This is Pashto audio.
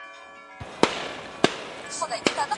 يو صحابي راغلی او رسول الله ته ئې وويل.